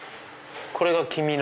これが黄身の。